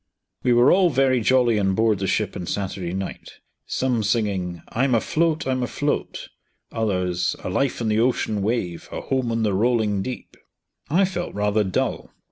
We were all very jolly on board the ship on Saturday night, some singing, "I'm afloat, I'm afloat," others, "a life on the ocean wave, a home on the rolling deep." I felt rather dull.